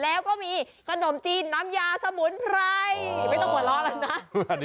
แล้วก็มีกระหน่มจีนน้ำยาสะหมุนไพร